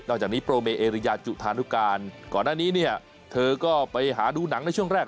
จากนี้โปรเมเอเรียจุธานุการก่อนหน้านี้เนี่ยเธอก็ไปหาดูหนังในช่วงแรก